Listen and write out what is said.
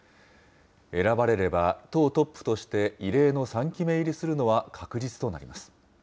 選ばれれば党トップとして異例の３期目入りするのは確実となります。